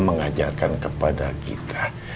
mengajarkan kepada kita